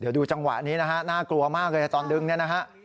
เดี๋ยวดูจังหวะนี้นะฮะน่ากลัวมากเลยตอนดึงเนี่ยนะฮะ